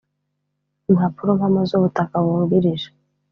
impapurompamo z ubutaka bungirije